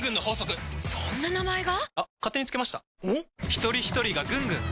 ひとりひとりがぐんぐん！